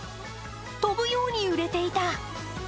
飛ぶように売れていた。